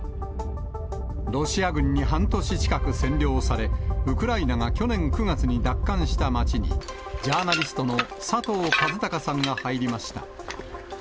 ロシア軍に半年近く占領され、ウクライナが去年９月に奪還した町に、ジャーナリストの佐藤和孝さんが入りました。